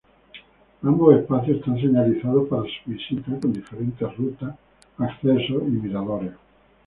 Ambos espacios están señalizados para su visita, con diferentes rutas, accesos y miradores.